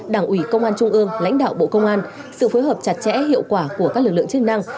đảng ủy công an trung ương lãnh đạo bộ công an sự phối hợp chặt chẽ hiệu quả của các lực lượng chức năng